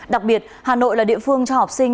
đặc biệt hà nội là địa phương cho học sinh